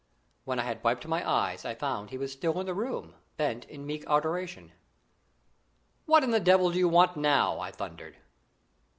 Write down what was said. When I had wiped my eyes I found he was still in the room, bent in meek adoration. "What in the devil do you want now?" I thundered.